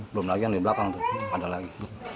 belum lagi yang di belakang tuh ada lagi